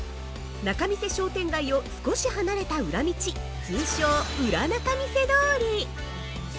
仲見世商店街を少し離れた裏道、通称「裏仲見世通り」